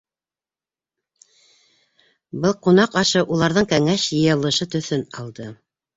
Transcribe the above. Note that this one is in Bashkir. Был ҡунаҡ ашы уларҙың кәңәш йыйылышы төҫөн алды.